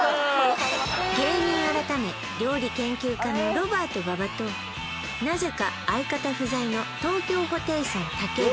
芸人改め料理研究家のロバート馬場となぜか相方不在の東京ホテイソンたける